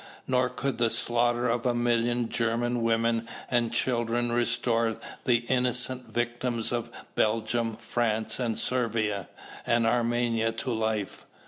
Nor could the slaughter of a million German women and children restore the innocent victims of Belgium, France, Servia, and Armenia to life.